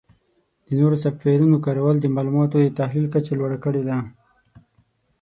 د نوو سافټویرونو کارول د معلوماتو د تحلیل کچه لوړه کړې ده.